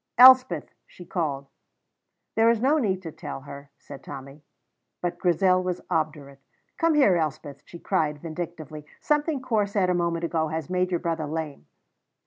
"Elspeth!" she called. "There is no need to tell her," said Tommy. But Grizel was obdurate. "Come here, Elspeth," she cried vindictively. "Something Corp said a moment ago has made your brother lame."